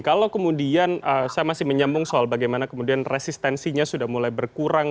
kalau kemudian saya masih menyambung soal bagaimana kemudian resistensinya sudah mulai berkurang